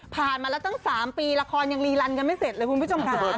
มาแล้วตั้ง๓ปีละครยังรีลันกันไม่เสร็จเลยคุณผู้ชมค่ะ